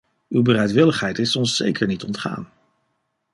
Uw bereidwilligheid is ons zeker niet ontgaan.